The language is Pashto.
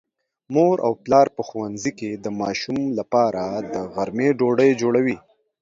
مور او پلار په ښوونځي کې د ماشوم لپاره د غرمې ډوډۍ جوړوي.